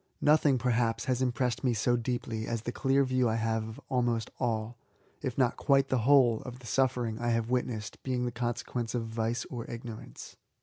Nothing, perhaps, has impressed me so deeply as the clear view I have of almost all, if not quite the whole, of the suffering I have witnessed being the consequence of vice or ignorance.